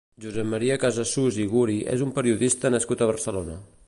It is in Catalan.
Josep Maria Casasús i Guri és un periodista nascut a Barcelona.